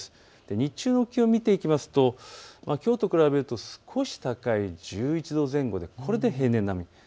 日中の気温を見ていくときょうと比べると少し高い１１度前後でこれで平年並みです。